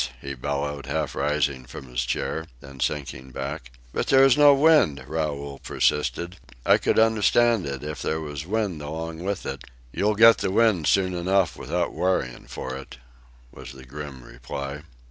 he bellowed, half rising from his chair, then sinking back. "But there is no wind," Raoul persisted. "I could understand it if there was wind along with it." "You'll get the wind soon enough without worryin' for it," was the grim reply.